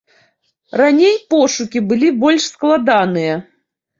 Раней пошукі былі больш складаныя.